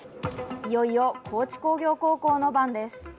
いよいよ高知工業高校の番です。